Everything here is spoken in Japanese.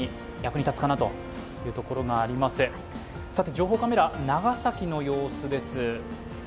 情報カメラ、長崎の様子です。